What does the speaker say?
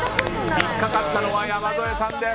引っかかったのは山添さんです。